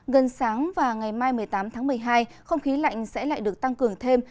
gần sáng và ngày mai một mươi tám tháng một mươi hai không khí lạnh sẽ lại được tăng cường thêm